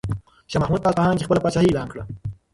شاه محمود په اصفهان کې خپله پاچاهي اعلان کړه.